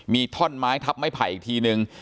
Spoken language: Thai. มีท่อนไม้ทับไม้ไผ่อีกทีนึง